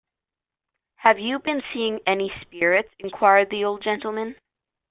‘Have you been seeing any spirits?’ inquired the old gentleman.